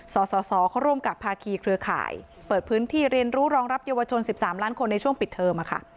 สสเขาร่วมกับภาคีเครือข่ายเปิดพื้นที่เรียนรู้รองรับเยาวชน๑๓ล้านคนในช่วงปิดเทอมค่ะ